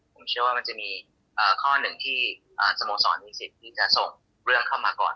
ผมเชื่อว่ามันจะมีข้อหนึ่งที่สโมสรมีสิทธิ์ที่จะส่งเรื่องเข้ามาก่อน